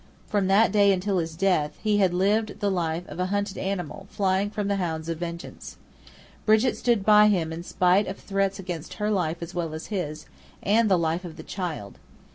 From that day until his death he lived the life of a hunted animal flying from the hounds of vengeance. Brigit stood by him in spite of threats against her life as well as his, and the life of the child.